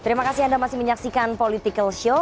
terima kasih anda masih menyaksikan political show